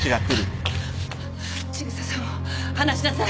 千草さんを放しなさい！